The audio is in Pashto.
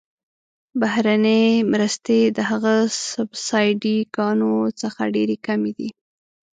بهرنۍ مرستې د هغه سبسایډي ګانو څخه ډیرې کمې دي.